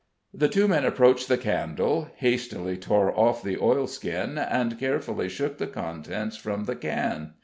The two men approached the candle, hastily tore off the oilskin, and carefully shook the contents from the can.